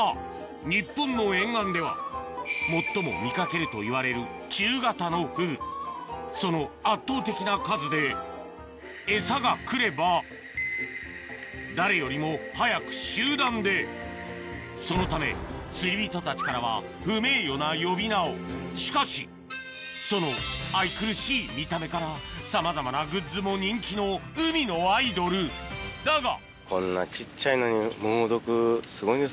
日本の沿岸では最も見掛けるといわれる中型のフグその圧倒的な数でエサが来れば誰よりも早く集団でそのため釣り人たちからは不名誉な呼び名をしかしその愛くるしい見た目からさまざまなグッズも人気の海のアイドルだが！